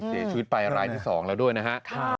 เสียชีวิตไปรายที่๒แล้วด้วยนะฮะ